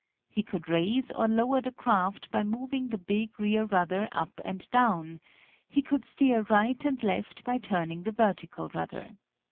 He could raise or lower the craft by moving the big rear rudder up and down; he could steer right and left by turning the vertical rudder.